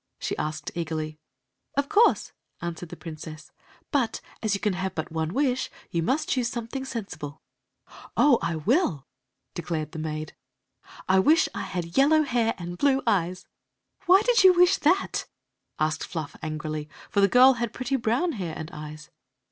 she asked eagerly. "Of course," answered the princess; "but, as you can have but one wish, you must choose sometfiing senaWc" Queen Lixi " Oh, I will !" declared the maid. " 1 wish I had yellow hair and blue eyes." "Why did you wish that?" adccd Fluft angnly. for the girl had pretty brown hair and eyes.